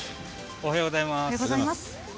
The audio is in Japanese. おはようございます。